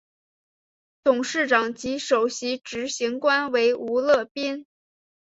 董事长及首席执行官为吴乐斌。